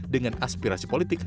dengan aspirasi politik